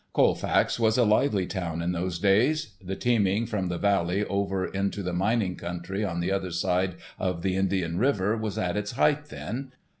Colfax was a lively town in those days. The teaming from the valley over into the mining country on the other side of the Indian River was at its height then.